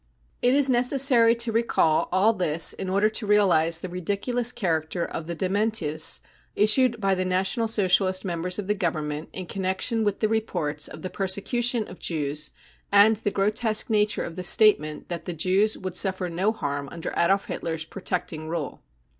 It is necessary to recall all this in order to realise the ridiculous character of the dSmentis issued by the National Socialist members of the Govern ment in connection with the reports of the persecution of Jews and the grotesque nature of the statement that the Jews would suffer no harm under Adolf Hitler's protecting rule.